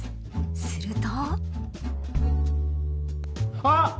すると。